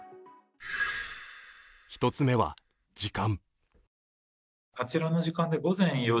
１つ目は時間。